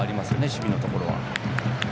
守備のところは。